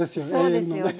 そうですよね。